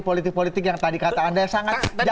politik politik yang tadi kata anda sangat jaga pendek